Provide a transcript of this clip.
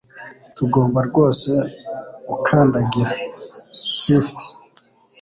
Tugomba rwose gukandagira. (Swift)